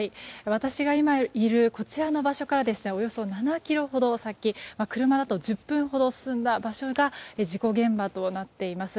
私が今いるこちらの場所からおよそ７ｋｍほど先車だと１０分ほど進んだ場所が事故現場となっています。